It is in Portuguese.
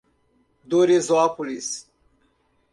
Doresópolis